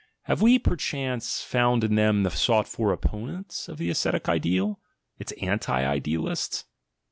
Have we, perchance, found in them the sought for opponents of the ascetic ideal, its arti idcalists?